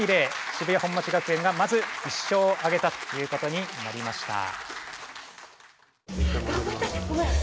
渋谷本町学園がまず１勝をあげたということになりました。